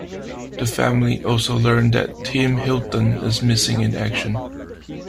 The family also learns that Tim Hilton is missing in action.